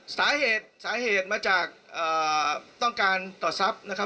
สาเหตุสาเหตุมาจากต้องการต่อทรัพย์นะครับ